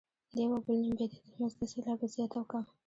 د یو او بل نیم بیتي ترمنځ دوه سېلابه زیات او کم.